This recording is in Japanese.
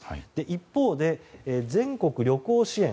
一方で、全国旅行支援